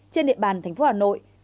trên địa bàn thành phố hà nội